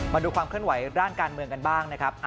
มาดูความเคลื่อนไหวด้านการเมืองกันบ้างนะครับ